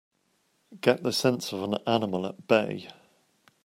Get the sense of an animal at bay!